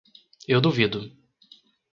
Eu duvido